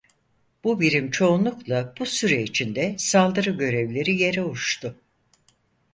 Bu birim çoğunlukla bu süre içinde saldırı görevleri yere uçtu.